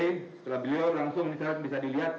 setelah beliau langsung bisa dilihat